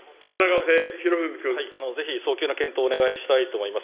ぜひ早急な検討をお願いしたいと思います。